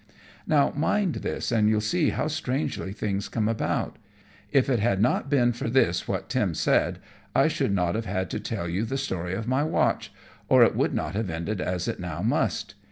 Now, mind this and you'll see how strangely things come about. If it had not been for this what Tim said, I should not have had to tell you the story of my watch, or it would not have ended as it now must.